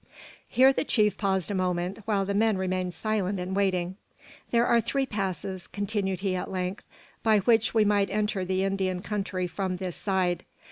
Here the chief paused a moment, while the men remained silent and waiting. "There are three passes," continued he at length, "by which we might enter the Indian country from this side.